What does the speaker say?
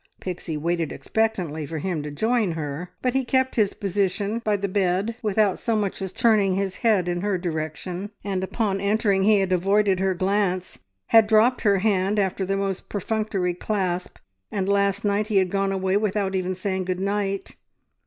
Pixie waited expectantly for him to join her, but he kept his position by the bed, without so much as turning his head in her direction. And upon entering he had avoided her glance, had dropped her hand after the most perfunctory, clasp, and last night he had gone away without even saying good night.